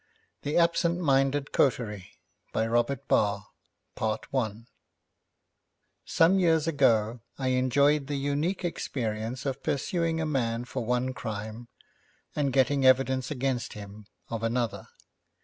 5. The Absent Minded Coterie Some years ago I enjoyed the unique experience of pursuing a man for one crime, and getting evidence against him of another.